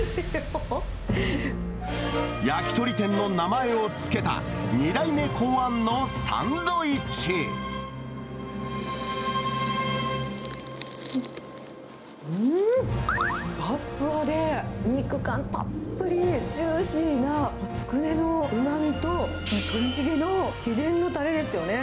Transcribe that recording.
焼き鳥店の名前を付けた、うーん、ふわふわで、肉感たっぷり、ジューシーなつくねのうまみと、鳥茂の秘伝のたれですよね。